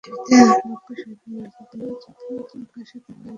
পৃথিবীতে মক্কা শরীফের মর্যাদা যতটুকু আকাশে তার মর্যাদা ঠিক ততটুকু।